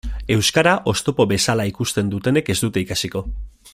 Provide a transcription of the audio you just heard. Euskara oztopo bezala ikusten dutenek ez dute ikasiko.